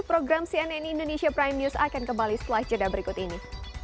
program cnn indonesia prime news akan kembali setelah jeda berikut ini